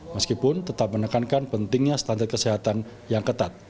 meskipun tetap menekankan pentingnya standar kesehatan yang ketat